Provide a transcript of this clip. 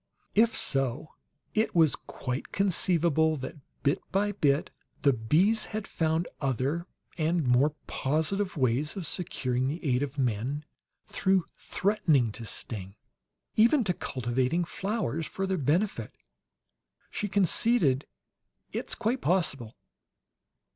If so, it was quite conceivable that, bit by bit, the bees had found other and more positive ways of securing the aid of men through threatening to sting. "Even to cultivating flowers for their benefit," she conceded. "It's quite possible."